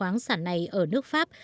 này ở nước pháp